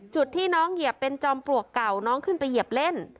จุดที่น้องเหยียบเป็นจอมปลวกเก่าน้องขึ้นไปเหยียบเล่น